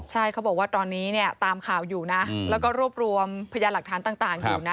ใช่เขาบอกว่าตอนนี้เนี่ยตามข่าวอยู่นะแล้วก็รวบรวมพยานหลักฐานต่างอยู่นะ